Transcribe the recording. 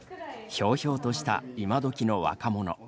ひょうひょうとした今どきの若者。